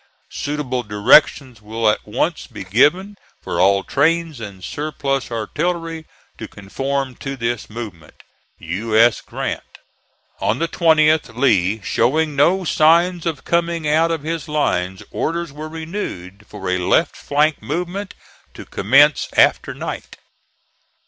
Suitable directions will at once be given for all trains and surplus artillery to conform to this movement. U. S. GRANT. On the 20th, Lee showing no signs of coming out of his lines, orders were renewed for a left flank movement, to commence after night.